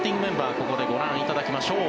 ここでご覧いただきましょう。